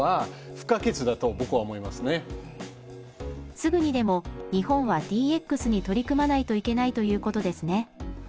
すぐにでも日本はＤＸに取り組まないといけないということですね。